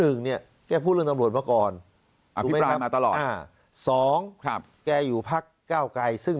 เดี๋ยวดูภาพเหมือนสักครู่ดินี่